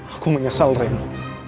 aku menyesal reno